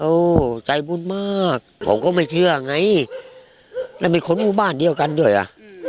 โอ้ใจบุญมากผมก็ไม่เชื่อไงแล้วมีคนหมู่บ้านเดียวกันด้วยอ่ะ